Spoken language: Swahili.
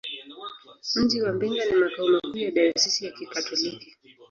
Mji wa Mbinga ni makao makuu ya dayosisi ya Kikatoliki.